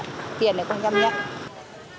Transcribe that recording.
tiền này không dám nhận